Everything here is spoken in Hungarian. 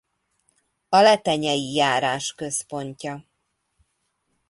A Letenyei járás központja.